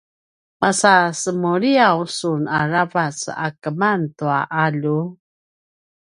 masa semuliyaw sun aravac a keman tua alju?